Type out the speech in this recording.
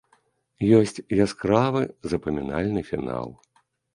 Ёсць яскравы запамінальны фінал.